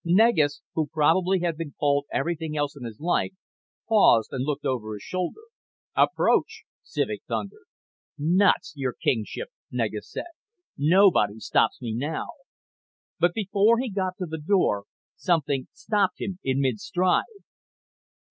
Negus, who probably had been called everything else in his life, paused and looked over his shoulder. "Approach!" Civek thundered. "Nuts, Your Kingship," Negus said. "Nobody stops me now." But before he got to the door something stopped him in mid stride.